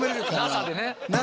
ＮＡＳＡでね。